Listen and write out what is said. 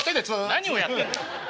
何をやってんだ！